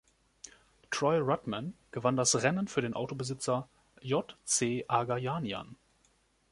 Troy Ruttman gewann das Rennen für den Autobesitzer J. C. Agajanian.